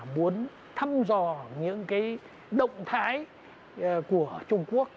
muốn thăm dò những động thái của trung quốc